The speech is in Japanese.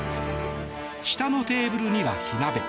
下のテーブルには火鍋。